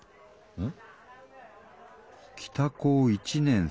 うん？